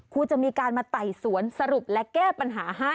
ครูจะมีการมาไต่สวนสรุปและแก้ปัญหาให้